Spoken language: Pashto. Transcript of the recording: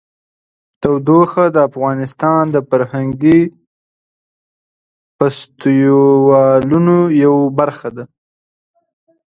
تودوخه د افغانستان د فرهنګي فستیوالونو یوه برخه ده.